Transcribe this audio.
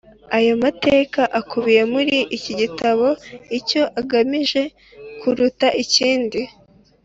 Aya mateka akubiye muri iki gitabo, icyo agamije kuruta ikindi